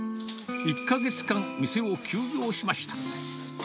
１か月間、店を休業しました。